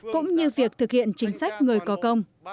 cũng như việc thực hiện chính sách người có công